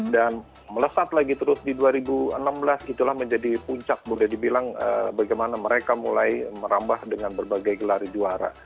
dan melesat lagi terus di dua ribu enam belas itulah menjadi puncak mudah dibilang bagaimana mereka mulai merambah dengan berbagai gelar juara